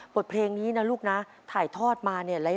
บทเพลงนี้นะลูกนะถ่ายทอดมาเนี่ย